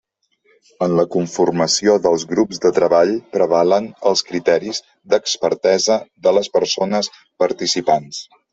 En la conformació dels grups de treball prevalen els criteris d'expertesa de les persones participants.